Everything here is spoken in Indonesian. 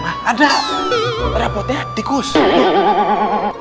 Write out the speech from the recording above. ini petua tuan